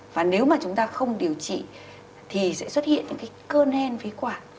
và nếu mà chúng ta không điều trị thì sẽ xuất hiện những cái cơn hen phế quản